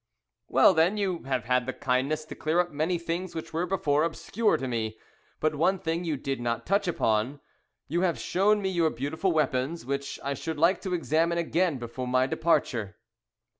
"Well, then, you have had the kindness to clear up many things which were before obscure to me; but one thing you did not touch upon. You have shown me your beautiful weapons, which I should like to examine again before my departure."